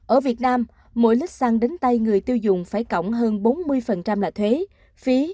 ở việt nam mỗi lít xăng đến tay người tiêu dùng phải cộng hơn bốn mươi là thuế phí